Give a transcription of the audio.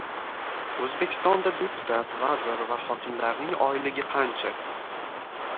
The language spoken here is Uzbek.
O‘zbekistonda deputat, vazir va hokimlarning oyligi qancha?